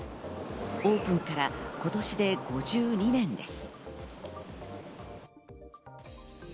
オープンから今年で５２年です。